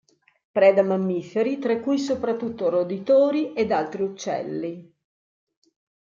Preda mammiferi, tra cui soprattutto roditori, ed altri uccelli.